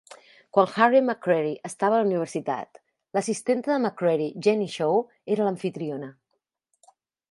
Quan Harriet McCreary estava en la universitat, la assistenta de McCreary, Jennie Shaw, era l'amfitriona.